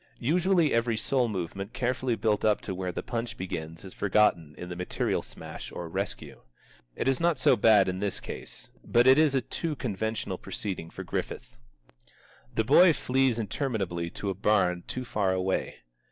Usually every soul movement carefully built up to where the punch begins is forgotten in the material smash or rescue. It is not so bad in this case, but it is a too conventional proceeding for Griffith. The boy flees interminably to a barn too far away.